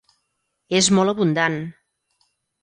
És molt abundant.